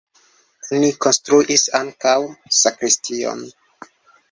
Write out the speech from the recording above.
Oni konstruis ankaŭ sakristion.